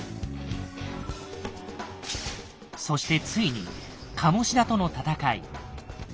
そしてついに鴨志田との戦い。